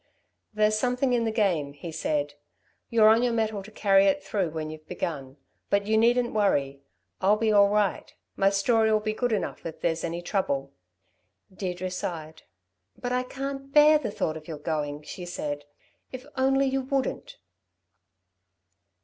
"There's something in the game," he said. "You're on your mettle to carry it through when you've begun. But you needn't worry. I'll be all right. My story'll be good enough if there is any trouble." Deirdre sighed. "But I can't bear the thought of your going," she said. "If only you wouldn't!"